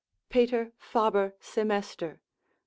Peter Faber Semester, l.